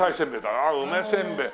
ああ梅せんべい。